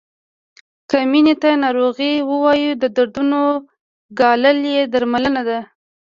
که مینې ته ناروغي ووایو د دردونو ګالل یې درملنه ده.